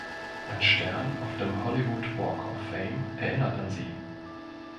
Ein Stern auf dem Hollywood Walk of Fame erinnert an sie.